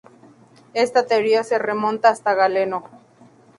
Esta teoría se remonta hasta Galeno.